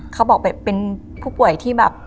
เขาบอกแบบเป็นผู้ป่วยที่แบบ